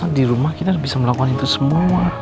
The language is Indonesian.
di rumah kita bisa melakukan itu semua